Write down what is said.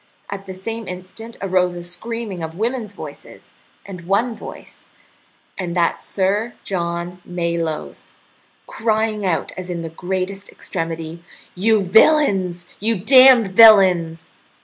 At the same instant arose a screaming of women's voices, and one voice, and that Sir John Malyoe's, crying out as in the greatest extremity: "You villains! You damned villains!"